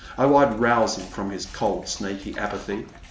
Oh, I 'd rouse him from his cold snaky apathy